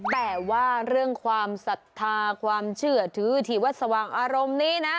แต่ว่าเรื่องความศรัทธาความเชื่อถือที่วัดสว่างอารมณ์นี้นะ